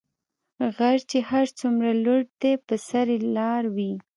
غر چی هر څومره لوړ دي په سر یي لار وي .